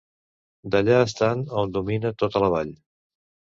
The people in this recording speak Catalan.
D'allà estant hom domina tota la vall.